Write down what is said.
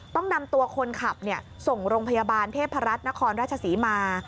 ต้องนำตัวคนขับส่งโรงพยาบาลเทพรัฐนครราชศรีมา